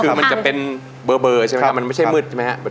คือมันจะเป็นเบอร์ใช่ไหมครับมันไม่ใช่มืดใช่ไหมครับ